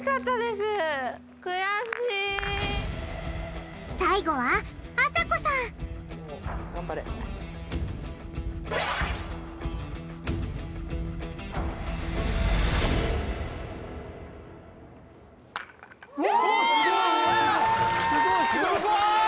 すごい！